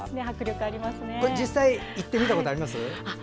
実際に行ってみたことあります？